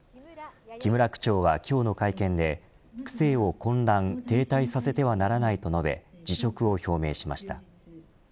木村区長は今日の会見で区政を混乱、停滞させてはならないと述べ辞職を表明しました。